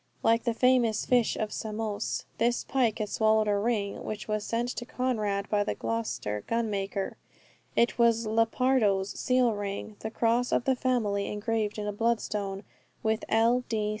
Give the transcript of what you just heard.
Like the famous fish of Samos, this pike had swallowed a ring, which was sent to Conrad by the Gloucester gun maker. It was Lepardo's seal ring, the cross of the family engraved on a bloodstone, with L.